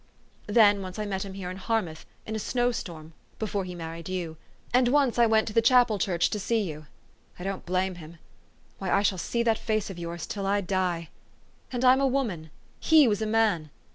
Then, once I met him here in Harmouth, in a snow storm, before he married you. And once I went to the chapel church to see 3 T ou. I don't blame him. Why, I shall see that face of yours till I die! And I'm a woman. He was a man.